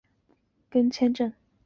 在此处代表申根签证。